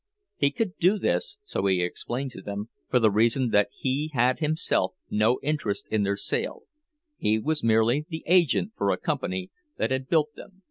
He could do this, so he explained to them, for the reason that he had himself no interest in their sale—he was merely the agent for a company that had built them.